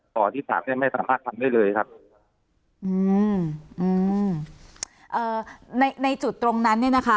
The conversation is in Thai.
ต่อที่สามเนี้ยไม่สามารถทำได้เลยครับอืมอืมเอ่อในในจุดตรงนั้นเนี้ยนะคะ